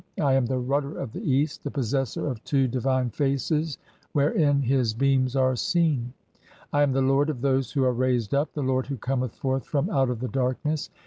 [I am] the rudder of the east, the possessor of "two divine faces wherein his beams are seen. (4) I am the lord "of those who are raised up, [the lord] who cometh forth from "out of the darkness.